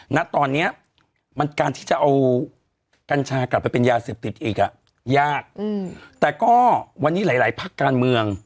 ณตอนนี้มันการที่จะเอากัญชากลับไปเป็นยาเสพติดอีกอ่ะยากแต่ก็วันนี้หลายหลายพักการเมือง